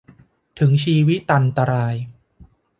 ถึงชีวิตันตราย